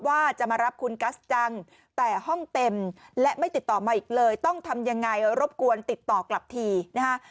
ว่าจะมารับคุณกัสจังแต่ห้องเต็มและไม่ติดต่อมาอีกเลยต้องทำยังไงรบกวนติดต่อกลับทีนะฮะ